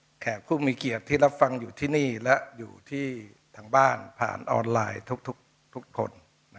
แขกผู้มีเกียรติที่รับฟังอยู่ที่นี่และอยู่ที่ทางบ้านผ่านออนไลน์ทุกคน